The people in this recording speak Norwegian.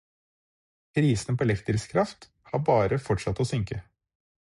Prisene på elektrisk kraft har bare fortsatt å synke.